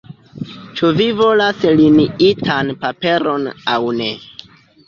Ĉu vi volas liniitan paperon aŭ ne?